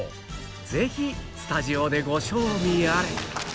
ぜひスタジオでご賞味あれ